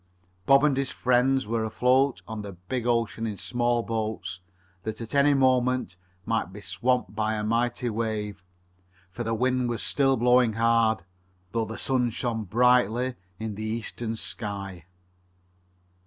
Bob and his friends were afloat on the big ocean in small boats that, at any moment, might be swamped by a mighty wave, for the wind was still blowing hard, though the sun shone brightly in the eastern sky.